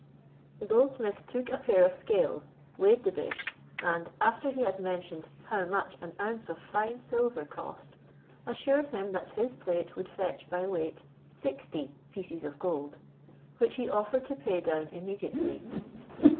The goldsmith took a pair of scales, weighed the dish, and after he had mentioned how much an ounce of fine silver cost, assured him that his plate would fetch by weight sixty pieces of gold, which he offered to pay down immediately.